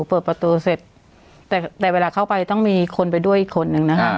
เปิดประตูเสร็จแต่เวลาเข้าไปต้องมีคนไปด้วยอีกคนนึงนะคะ